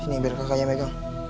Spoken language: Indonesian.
sini biar kakaknya pegang